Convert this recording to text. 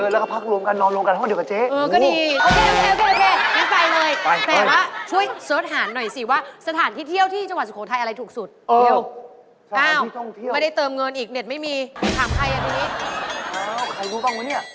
แล้วก็พักรวมกันนอนรวมกันห้องเดียวกับเจ๊